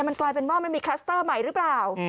มันกลายเป็นว่ามันมีคลัสเตอร์ใหม่หรือเปล่า